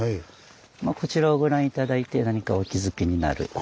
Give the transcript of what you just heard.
こちらをご覧頂いて何かお気付きになることございますか？